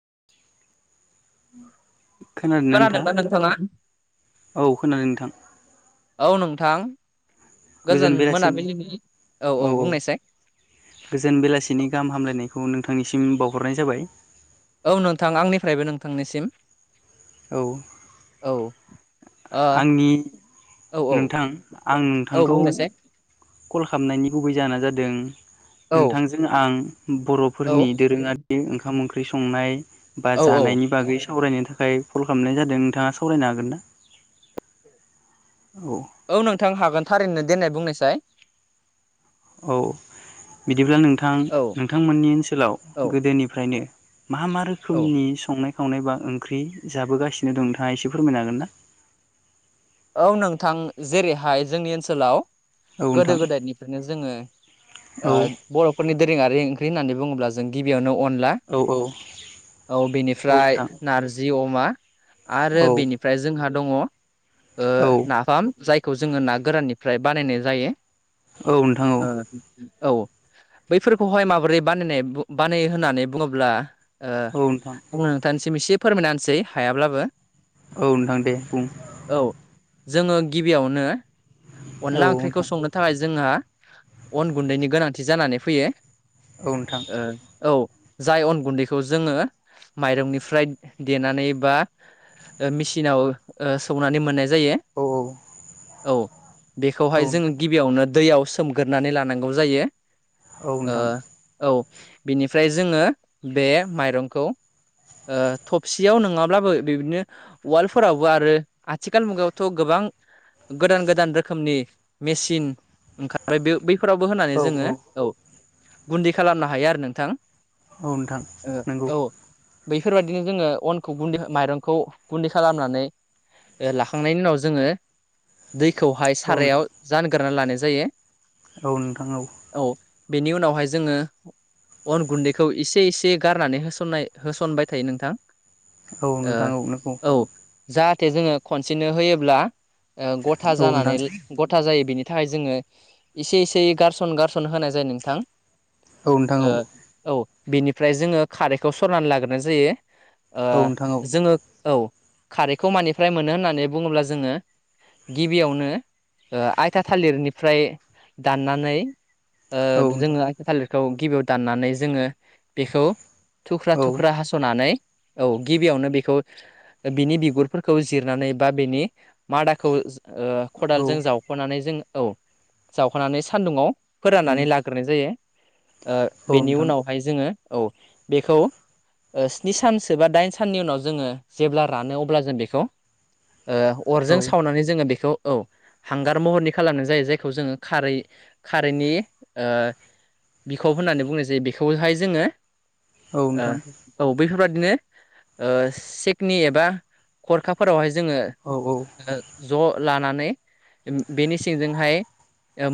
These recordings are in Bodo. [unintelligible] नोंथां खोनादोंबा नोंथाङा औ खोनादों नोंथां औ नोंथां गोजोन बेलासिनि औ औ गोजोन बेलासिनि गाहाम हामलायनायखौ नोंथांनिसिम बावहरनाय जाबाय औ नोंथां आंनिफ्रायबो नोंथांनिसिम औ औ आंनि औ नोंथां आं औ नोंथांखौ बुंनायसाय कल खालामनायनि गुबै जाहोना जादों औ नोंथांजों आं औ बरफोरनि दोरोङारि ओंखाम ओंख्रि संनाय बा औ औ जानायनि बागै सावरायनो थाखाय कल खालामनाय जादों नोंथाङा सावरायनो हागोन ना औ नोंथां हागोन थारैनो दोननाय बुंनोसै औ बिदिब्ला नोंथां औ नोंथांमोननि ओनसोलाव औ गोदोनिफ्रायनो मा मा औ रोखोमनि संनायाव खावनाय बा ओंख्रि जाबोगासिनो दं नोंथाङा एसे फोरमायनो हागोन ना औ नोंथां जेरैहाय जोंनि ओनसोलाव हागोन ना? गोदो गोदायनिफ्रायनो जोङो औ नोंथां बर'फोरनि दोरोङारि ओंख्रि होननानै बुङोब्ला जों गिबियावनो अनला औ बेनिफ्राय नारजि अमा आरो औ बेनिफ्राय जोंहा दङ औ नाफाम जायखौ जोङो ना गोराननिफ्राय बानायनाय जायो औ नोंथां औ औ ओ बैफोरखौहाय माबोरै बानाय बानाय होननानै बुङोब्ला आं औ नोंथांनिसिम एसे फोरमायसै हायाब्लाबो औ नोंथां दे बुं औ जोङो गिबियावनो औ अनला ओंख्रिखौ नोंथां संनो थाखाय जोंहा अन गुन्दैनि गोनांथि जानानै फैयो औ नोंथां औ जाय अन गुन्दैखौ जोङो माइरंनिफ्राय देनानै बा मेसिनाव सौनानै मोननाय जायो औ औ बेखौहाय जों नोंथां गिबियावनो दैयाव सोमगोरोनानै लानांगौ जायो औ नोंथां औ बिनिफ्राय जोङो बे माइरंखौ थबसियाव नङाब्लाबो बेबदिनो वालफोरावबो आरो आथिखाल मुगायावथ' गोबां गोदान गोदान रोखोमनि मेसिन ओंखारबाय बे बै फोरावबो होनानै औ जोङो औ गुदि खालामनो हायो आरो नोंथां। औ नोंथां ओ नंगौ। औ बैफोरबायदिनो जोङो अनखौ गुन्दै माइरंखौ गुन्दै खालामनानै लाखांनायनि उनाव जोङो दैखौहाय औ नोंथां सारायाव जानगारना लानाय जायो। औ नोंथां औ। बेनि उनावहाय जोङो अन गुन्दैखौ एसे एसे गारनानै होसननाय होसनबाय थायो नोंथां। औ ओ नोंथां औ नोंगौ। औ जाहाथे जोङो खनसेनो होयोब्ला गथा औ नोंथां जानानै गथा जायो बिनि नि थाखाय जोङो इसे इसे गारसन गारसन होनाय जायो नोंथां। औ नोंथां औ नोंथां औ औ बेनिफ्राय जोङो खारैखौ सरनानै लाग्रोनाय जायो। जोङो औ खारैखौ मानिफ्राय मोनो होननानै बुङोब्ला जोङो गिबियावनो आइथा थालिरनिफ्राय दाननानै ओ औ नोंथां जोङो आथि थालिरखौ गिबियाव दाननानै जोङो बेखौ थुख्रा औ थुख्रा हास'नानै औ गिबियावनो बेखौ बिनि बिगुर फोरखौ जिरनानै बा बेनि मादाखौ औ खदालजों जावख'नानै जों औ जावखानानै सानदुङाव उम फोराननानै लाग्रोनाय जायो। औ बेनि नोंथां उनावहाय जोङो औ बेखौ स्नि सानसो बा दाइन साननि उनाव जोङो जेब्ला रानो अब्ला जों बेखौ औ अरजों सावनानै जोङो बेखौ औ हांगार महरनि खालामनाय जायो जायखौ जोङो खारै खारैनि ओ बिखब होननानै बुङो जे बेखौहाय जोङो औ नोंथां औ बैफोरबादिनो सेकनि एबा खरखाफोरावहाय जोङो औ औ ज' लानानै बेनि सिंजोंहाय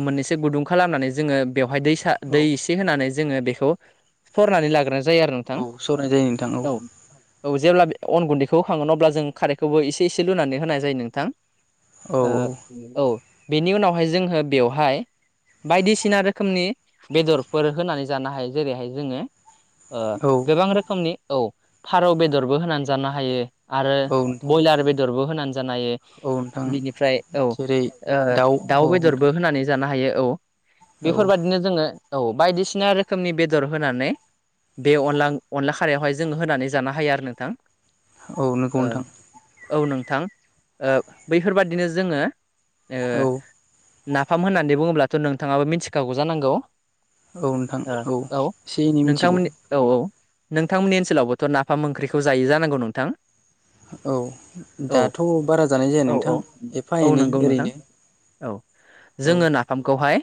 मोननैसो गुदुं खालामनानै जोङो बेवहाय दै औ दै एसे होनानै जोङो बेखौ सरनानै लाग्रो जायो आरो औ नोंथां सरनाय जायो नोंथां औ। औ जेब्ला अन गुन्दैखौ होखङोन अब्ला जों खारैखौबो एसे एसे लुनानै होनाय जायो नोंथां। औ औ बेनि उनावहाय जोङो बेवहाय बायदिसिना रोखोमनि बेदरफोर होनानै जानो हायो जेरैहाय जोङो ओ औ गोबां रोखोमनि औ फारौ बेदरबो होनानै जानो हायो आरो औ नोंथां बयलार बेदरबो होनानै जानो हायो। औ नोंथां बिनिफ्राय औ जेरै औ दाउ नोंथां बेदरबो होनानै जानो हायो। औ औ बेफोरबादिनो जोङो औ बायदिसिना रोखोमनि बेदर होनानै बे अनला अनला खारायावहाय जोङो होनानै जानो हायो आरो नोंथां। औ नोंगौ ओ नोंथां औ नोंथां बैफोरबादिनो जोङो ओ औ नाफाम होननानै बुङोब्लाथ' नोंथाङाबो मिथिखागौ जानांगौ? औ नोंथां औ एसे एनै मिथिगौ नोंथांमोननि औ औ। नोंथांमोननि ओनसोलावबोथ' नाफाम ओंख्रिखौ जायै जानांगौ नोंथां? औ औ दाथ बारा जानाय जाया औ औ नोंथां एफा औ एनै नंगौ नोंथां ओरैनो। औ औ जोङो नाफामखौहाय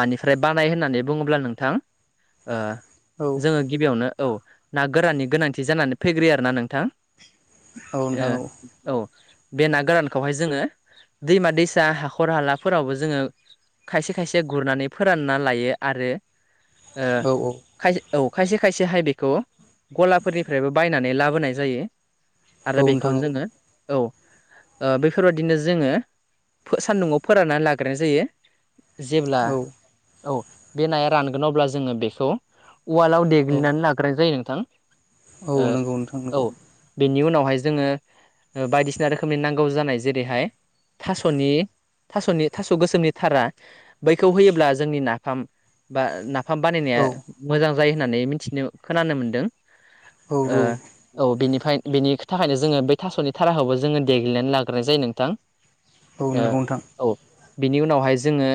मानिफ्राय बानाय होननानै बुङोब्ला नोंथां औ जोङो गिबियावनो औ ना गोरानि गोनांथि जानानै फेग्रो आरो ना नोंथां। औ आ नोंथां औ बे ना गोरानखौहाय जोङो दैमा दैसा हाखर हालाफोरावबो जोङो खायसे खायसे गुरनानै फोरानना लायो आरो ओ औ खायसे औ खायसे खायसे हाइ बेखौ गलाफोरनिफ्रायबो बायनानै लाबोनाय जायो औ आरो बेखौ नोंथां जोङो औ ओ बेफोरबादिनो जोङो सान्दुङाव फोराननानै लाग्रोनाय जायो। जेब्ला औ औ बे नाया रानगोन अब्ला जोङो बेखौ ववालाव औ देग्लिनानै लाग्राय जायो नोंथां। औ नंगौ नोंथां नंगौ। वहाय जोंङो ओ बायदिसिना रोखोमनि नांगौ जानाय जेरैहाय थास'नि थास'नि थास' गोसोमनि थारा बैखौ होयोब्ला जोंनि नाफाम बा नाफा फाम बानायनाया औ मोजां जायो होननानै मिथिनो खोनानो मोन्दों। औ औ बेनिफ्राय बेनि थाखायनो जोङो बेै थास'नि थाराखौबो जोङो देग्नानै लाग्रोनाय जायो नोंथां। गुबुन ओ नंगौ नोंथां। औ बिनि उनावहाय जोङो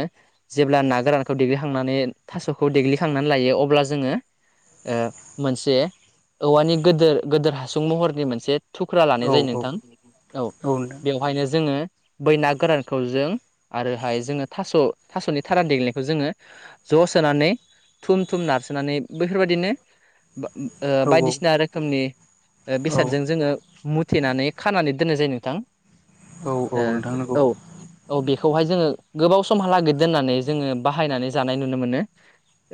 जेब्ला ना गोरानखौ देग्लिखांनानै थास'खौ देग्लिखांनानै लायो अब्ला जों ओ मोनसे औवानि गोदोर गोदोर हासुं महरनि मोनसे थुख्रा लानाय औ जायो औ नोंथां औ बेवहायनो जोङो बै ना गोरानखौ जों आरोहाय जोङो थास' थास'नि थारान देग्नायखौ जोङो ज सोनानै थुम थुम नारसोनानै बेैफोरबायदिनो ओ औ बायदिसिना रोखोमनि ओ औ बेसादजों जोङो मुथेनानै खानानै दोननाय जायो नोंथां। औ औ नोंथां नंगौ औ औ बे खौहाय जोङो गोबाव समहालागिरद दोननानै जोङो बाहायनानै जानाय नुनो मोनो।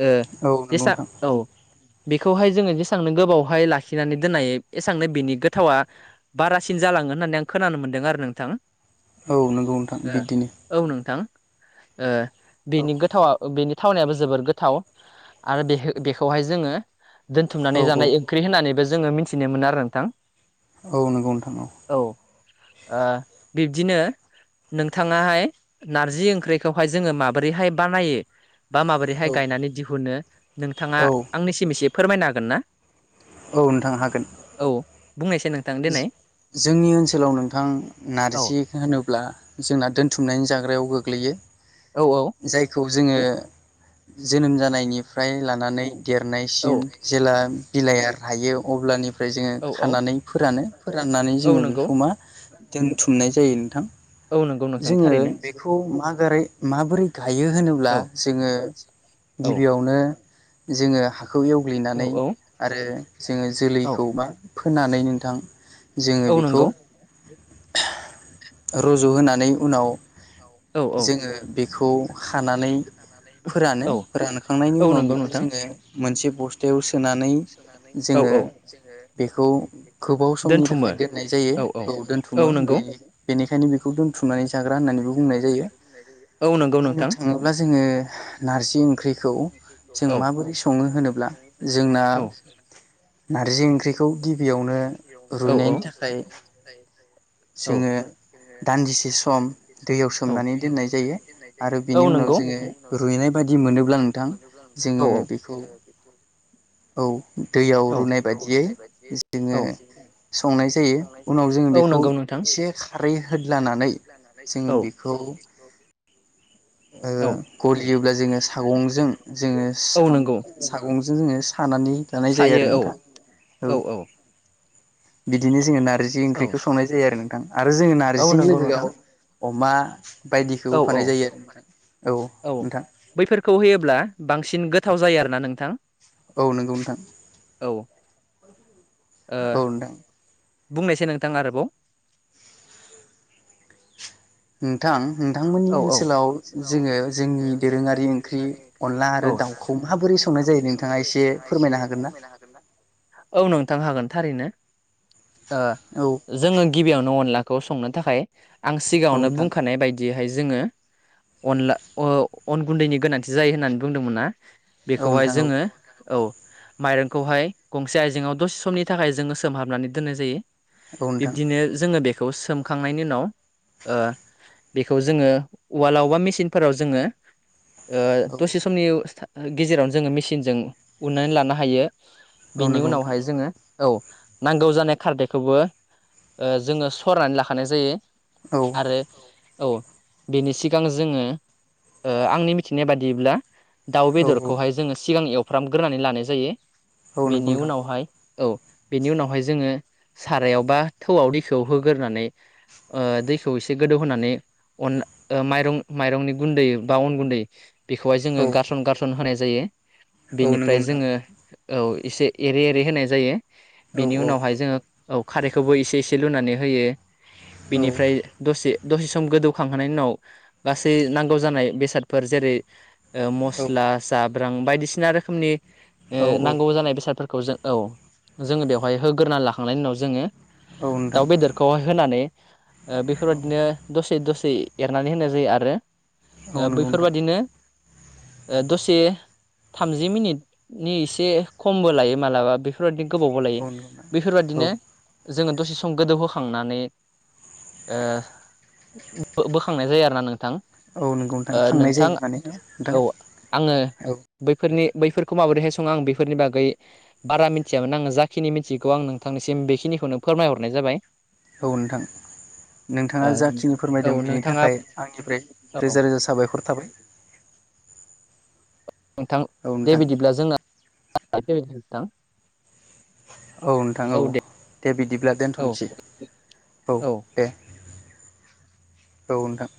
ओ औ नंगौ जेसा नोंथां औ बेखौहाय जोङो जेसेबांनो गोबावहाय लाखिनानै दोननायायो एसबांनो बेनि गोथावा बारासिन जालांगोन होननानै आं खोनानो मोन्दों आरो नोंथां। औ नंगौ नोंथां बिदिनो ओ औ नोंथां। ओ औ बेनि गोथावा बेनि थावनायाबो जोबोर गोथाव आरो बे बेखौहाय जोङो औ दोनथुमनानै जानाय ओंख्रि होननानैबो जोङो मिथिनो मोनो आरो नोंथां। औ नंगौ नोंथां औ। ओ बिब्दिनो नोंथाङाहाय नारजि ओंख्रिखौहाय जोङो माबोरैहाय बानायो बा औ माबोरैहाय गायनानै दिहुनो नोंथाङा औ आंनिसिम एसे फोरमायनो हागोन ना? औ नोंथां हागोन। औ बुंनायसै नोंथां दिनाय। जोंनि ओनसोलाव नोंथां औ नारजि होनोब्ला जोंना दोनथुमनायनि जाग्रायाव गो गोग्लैयो औ जायखौ जोङो जोनोम जानायनिफ्राय लानानै औ देरनायसिम जेला बिलाइ हायो अब्लानिफ्राय जोङो औ औ खानानै फोरानो फोराननानै औ जोङो नंगौ बेखौ मा दोनथुमनाय जायो नोंथां। औ नंगौ। नोंथां जोङो थारैनो बेखौ मा गारै माबोरै गायो होनोब्ला औ जोङो औ गिबियावनो जोङो हाखौ औ एवग्लिनानै औ आरो जोङो औ जोलैखौ बा फोनानै नोंथां जोङो औ बेखौ नंगौ रज' होनानै उनाव औ औ जोङो बेखौ खानानै फोरानो औ फोरानखांनायनि औ उनाव नंगौ बेखौ नोंथां जोङो मोनसे बस्थायाव सो सोनानै औ जोङो औ बेखौ गोबाव समनि दोनथुमो थाखाय दोननाय जायो औ औ दोनथुमो बे नंगौ बेनिखायनो बेखौ दोनथुमनानै जाग्रा होननानैबो बुंनाय जायो औ नंगौ बुंनो नोंथां थाङोब्ला जोङो नारजि ओंख्रिखौ जों औ माबोरै सङो होनोब्ला जोंना। औ नारजि ओंख्रिखौ गिबियावनो औ रुइनायनि थाखाय औ जोङो दान्दिसे सम दैयाव औ सोमनानै दैयाव दोननाय जायो सोमनानै दोननाय आरो जायो बिनि औ उनाव नंगौ जोङो बिनि उनाव रुइनाय बायदि जोङो मोनोब्ला रुनाय बादि नोंथां मोनो। जोङो ब्ला औ बेखौ औ। औ दैयाव औ रुनाय दैयाव बायदियै रुनाय बायदियै औ जोङो। संनाय जायो उनाव जों औ बेखौ नंगौ नोंथां एसे खारै। होदलानानै जोङो बेखौ। ओ औ गलियोब्ला जोङो सागंजों जोङो औ नंगौ सागंजों जोङो। सानानै जानाय जायो सायो आरो औ नोंथाङा औ बिदिनो जोङो नारजि औ ओंख्रिखौ संनाय जायो आरो नोंथां आरो जोङो औ नारजिजों नंगौ नोंथां लोगोआव अमा। बायदिखौ औ औ होफानाय जायो आरो औ नोंथां बैफोरखौ होयोब्ला बांसिन। बांसिन गोथाव जायो आरो ना नोंथां। औ नंगौ नोंथां। औ ओ औ नोंथां। बुंनायसै नोंथां आरोबाव। ओम नोंथां नोंथांमोननि औ औ ओनसोलाव जोङो जोंनि दोरोङारि ओंख्रि अनला औ आरो दाउखौ। माबोरै संनाय जायो नोंथाङा एसे फोरमायनो हागोन ना। औ नोंथां हागोन। थारैनो ओ औ जोङो गिबियावनो अनलाखौ संनो थाखाय। आं औ सिगाङावनो नोंथां बुंखानाय बायदि। बेहाय जोङो अनला अन गुन्दैनि गोनांथि जायो होननानै बुंदोंमोन ना। औ बेखौहाय नोंथां औ जोङो औ। माइरंखौहाय गंसे आयजेंआव दसे समनि थाखाय जोङो सोमहाबनानै दोननाय जायो। औ नोंथां बिब्दिनो जोङो बेखौ सोमखांनायनि उनाव बेखौ जोङो उवालाव बा मेसििनफोराव जोङो औ दसे समनि। गेजेरावनो जोङो मेसििनजों उनानै लानो हायो औ बेनि नंगौ नोंथां उनावहाय जोङो। औ नांगौ जानाय खारदैखौबो जोङो सरनानै लाखानाय जायो। औ आरो औ बेनि सिगां जोङो आंनि मिथिनाय बादिब्ला दाउ औ औ बेदरखौहाय जोङो सिगां एवफ्रामग्रोनानै लानाय जायो। औ नंगौ बेनि नोंथां उनावहाय औ बेनि उनावहाय जोङो सारायाव बा थौआव दैखौआव होग्रोनानै दैखौ एसे गोदौ होनोनानै अ माइरं माइरंनि गुन्दै बा अन गुन्दै बेखौहाय जोङो औ गारसन गारसन होनाय जायो। औ नंगौ बेनिफ्राय नोंथां जोङो औ एसे एरे एरै होनाय जायो। औ बेनि औ उनावहाय जोङो औ खारैखौबो एसे एसे लुनानै होयो। औ बेनिफ्राय दसे दसे सम गोदौखांहोनायनि उनाव गासै नांगौ जानाय बेसादफोर। जेरै- औ मस्ला जाब्रां बायदिसिना रोखोमनि औ औ नांगौ जानाय बेसादफोरखौ खौ जों औ जोङो बेवहाय होग्रोना लाखांनायनि उनाव जोङो औ दाउ नोंथां बेदरखौ होनानै औ बेफोरबायदिनो दसे दसे एरनानै होनाय जायो आरो। औ नंगौ नोंथां बैफोरबादिनो दसे थामजि मिनिटनि एसे खमबो लायो मालाबा बेफोरबायदि गोबाव बो लायो औ नंगौ नोंथां औ बेफोरबायदिनो जोङो दसे सम गोदौहोखांनानै बोखांनाय जायो आरो ना नोंथां। औ नंगौ खांनाय नोंथां जायो माने नोंथां औ आङो औ बैफोरनि बैफोरखौ माबोरैहाय सङो आं बेफोरनि बागै बारा मिथियामोन आङो जाखिनि मिथिग आं नोंथांनिसिम बेखिनि खौ नों फोरमायहरनाय जाबाय। औ नोंथां नोंथाङा ओ जाखिनि फोरमायदों औ बेनि नोंथाङा थाखाय आंनिफ्राय औ रोजा रोजा साबायखर थाबाय। नोंथां औ दे नोंथां बिदिब्ला जोंना [unintelligible] औ नोंथां औ दे बिदि ब्ला औ दोनथनोसै औ दे। औ नोंथां